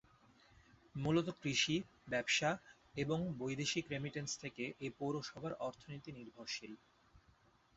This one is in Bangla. মূলত কৃষি, ব্যবসা এবং বৈদেশিক রেমিটেন্স থেকে এ পৌরসভার অর্থনীতি নির্ভরশীল।